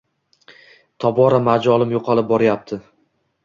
Tobora majolim yo`qolib boryapti